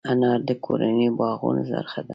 انار د کورنیو باغونو برخه ده.